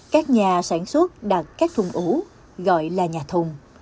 các nhà sản xuất đặt các thùng ủ gọi là nhà thùng